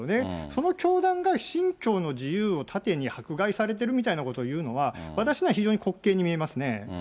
その教団が信教の自由を盾に迫害されてるみたいなことを言うのは、私には非常にこっけいに見えますね。